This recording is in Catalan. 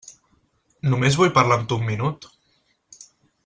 Només vull parlar amb tu un minut.